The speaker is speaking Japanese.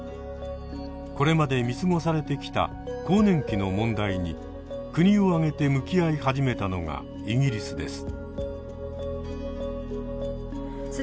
これまで見過ごされてきた更年期の問題に国を挙げて向き合い始めたのがイギリスです。